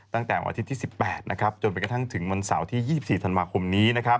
ตั้งแต่วันอาทิตย์ที่๑๘จนไปกระทั่งถึงวันเสาร์ที่๒๔ธันวาคมนี้